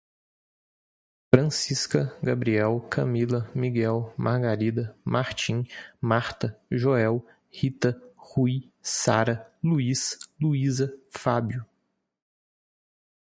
Francisca, Gabriel, Camila, Miguel, Margarida, Martim, Marta, Joel, Rita, Rui, Sara, Luís, Luísa, Fábio